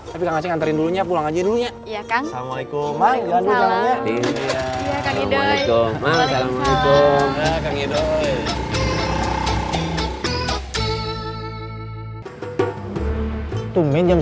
tapi kang acing anterin dulunya pulang ajain dulunya